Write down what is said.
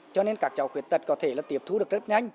cho nên các cháu khuyết tật có thể tiệp thu được rất nhanh